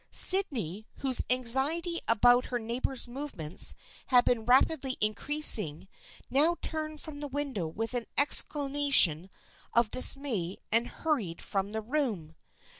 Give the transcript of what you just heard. Sydney, whose anxiety about her neighbor's movements had been rapidly increasing, now turned from the window with an exclamation of dismay and hurried from the room.